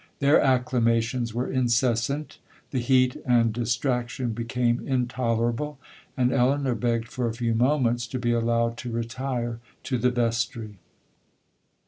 Their acclamations were incessant,—the heat and distraction became intolerable, and Elinor begged for a few moments to be allowed to retire to the vestry.